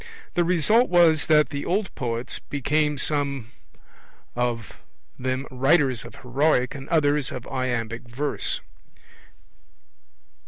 The result was that the old poets became some of them writers of heroic and others of iambic verse.